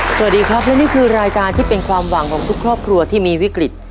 สวัสดีครับและนี่คือรายการที่เป็นความหวังของทุกครอบครัวที่มีวิกฤต